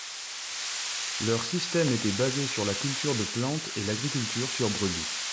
Leur système était basé sur la culture de plantes et l'agriculture sur brûlis.